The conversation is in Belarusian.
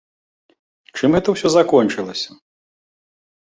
Чым гэта ўсё закончылася?